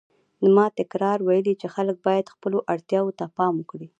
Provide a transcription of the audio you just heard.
ما تکراراً ویلي چې خلک باید خپلو اړتیاوو ته پام وکړي.